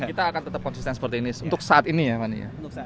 kita akan tetap konsisten seperti ini untuk saat ini ya fani ya